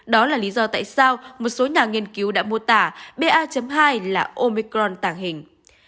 đó là lý do tại sao một số nhà nghiên cứu đã mô tả ba hai là omicron tàng hình